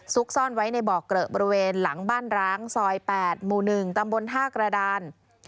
ซ่อนไว้ในบ่อเกลอะบริเวณหลังบ้านร้างซอย๘หมู่๑ตำบลท่ากระดาน